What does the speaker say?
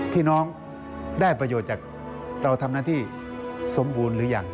พี่น้องได้ประโยชน์จากเราทำหน้าที่สมบูรณ์หรือยัง